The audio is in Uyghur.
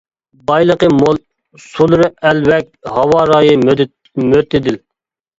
بايلىقى مول، سۇلىرى ئەلۋەك، ھاۋا رايى مۆتىدىل.